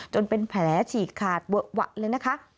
จนเป็นแผลฉีกคาดเวอะเลยนะคะ